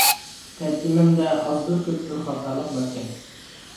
تەرجىمەمدە ئازدۇر-كۆپتۇر خاتالىق باركەن.